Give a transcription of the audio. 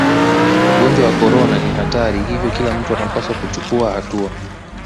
ugonjwa wa korona ni hatari hivyo kila mtu anapasa kuchukua hatua